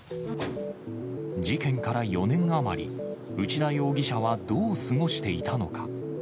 事件から４年余り、内田容疑者はどう過ごしていたのか。